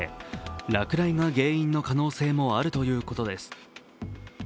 落雷が原因の可能性もあるということです。